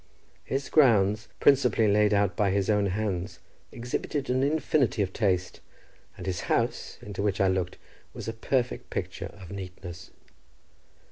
His grounds, principally laid out by his own hands, exhibited an infinity of taste, and his house, into which I looked, was a perfect picture of neatness.